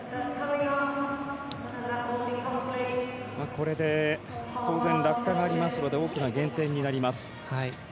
これで当然、落下がありますので大きな減点になります。